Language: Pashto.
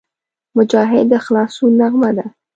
مجاهد د خلاصون نغمه ده.